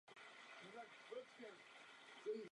Maďarsko dokonce žádá všechny, aby nestrkali nos do jeho věcí.